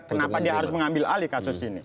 kenapa dia harus mengambil alih kasus ini